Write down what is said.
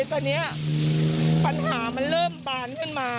ตอนนี้ปัญหามันเริ่มบานขึ้นมา